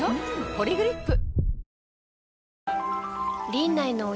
「ポリグリップ」